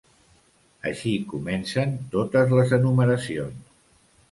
Així comencen totes les enumeracions.